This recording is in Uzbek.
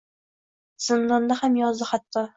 Zindonda ham yozdi hatto.